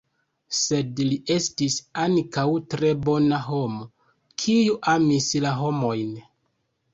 Sed li estis ankaŭ tre bona homo, kiu amis la homojn.